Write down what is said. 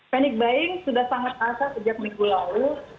panic buying sudah sangat terasa sejak minggu lalu